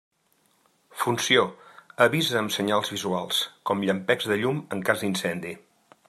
Funció: avisa amb senyals visuals, com llampecs de llum en cas d'incendi.